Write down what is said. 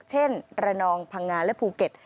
ระนองพังงาและภูเก็ต